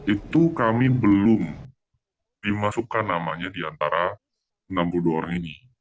itu kami belum dimasukkan namanya di antara enam puluh dua orang ini